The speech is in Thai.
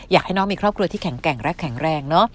อยากให้น้องมีครอบครัวที่แข็งแกร่งและแข็งแรงเนอะ